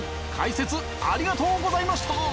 解説ありがとうございました！